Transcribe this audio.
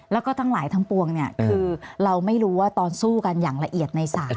แล้วก็ทั้งหลายทั้งปวงเนี่ยคือเราไม่รู้ว่าตอนสู้กันอย่างละเอียดในศาล